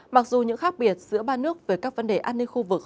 mặc dù những khác biệt giữa ba nước về các vấn đề an ninh khu vực